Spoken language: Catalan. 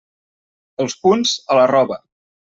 Els punts, a la roba.